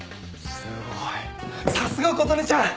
すごいさすが琴音ちゃん！